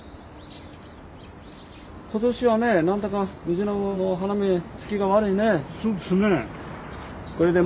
今年はね何だかムジナモの花芽つきが悪いね。